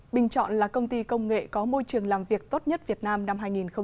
bình chọn là công ty công nghệ có môi trường làm việc tốt nhất việt nam năm hai nghìn một mươi chín